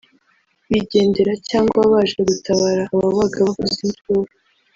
bigendera cyangwa baje gutabara ababaga bavuza induru